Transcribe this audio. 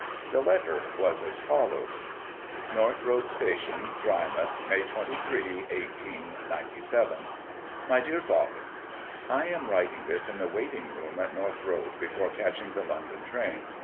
The letter was as follows: NORTH ROAD STATION, DRYMOUTH, May 23, 1897. MY DEAR FATHER I am writing this in the waiting room at North Road before catching the London train.